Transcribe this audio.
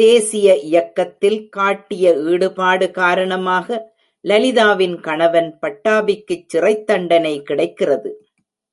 தேசிய இயக்கத்தில் காட்டிய ஈடுபாடு காரணமாக, லலிதாவின் கணவன் பட்டாபிக்குச் சிறைத்தண்டனை கிடைக்கிறது.